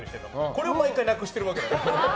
これを毎回なくしてるわけ。